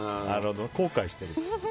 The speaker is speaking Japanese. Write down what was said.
後悔してる。